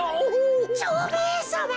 蝶兵衛さま！